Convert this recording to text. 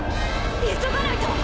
急がないと！